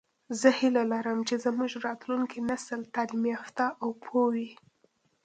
زه هیله لرم چې زمونږ راتلونکی نسل تعلیم یافته او پوهه وي